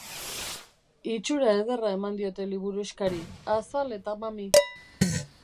Itxura ederra eman diote liburuxkari, azal eta mami.